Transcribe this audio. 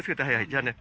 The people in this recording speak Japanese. じゃあね。